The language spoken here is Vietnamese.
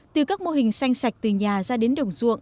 từ các mô hình xanh sạch từ nhà ra đến đồng ruộng